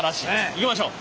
いきましょう。